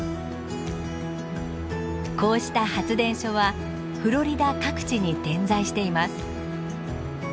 こうした発電所はフロリダ各地に点在しています。